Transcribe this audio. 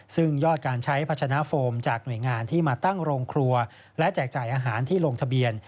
ซึ่งยอดการใช้พัชนะโฟมจากหน่วยงานที่มาตั้งโรงครัวและแจกจ่ายอาหารที่ลงทะเบียน